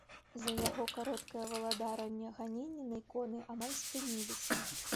За яго кароткае валадаранне ганенні на іконы амаль спыніліся.